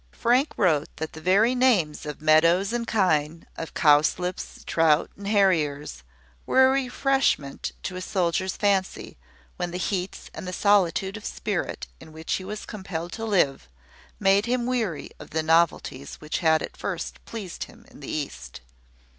Frank wrote that the very names of meadows and kine, of cowslips, trout, and harriers, were a refreshment to a soldier's fancy, when the heats, and the solitude of spirit in which he was compelled to live, made him weary of the novelties which had at first pleased him in the East.